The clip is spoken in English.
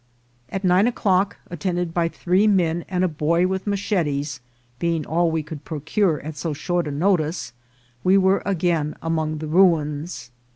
At nine o'clock, attended by three men and a boy with machetes, being all we could procure at so short a notice, we were again among the ruins.